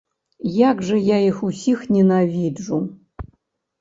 Як жа я іх усіх ненавіджу!